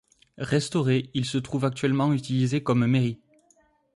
Restauré il se trouve actuellement utilisé comme Mairie.